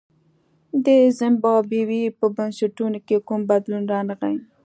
د زیمبابوې په بنسټونو کې کوم بدلون رانغی.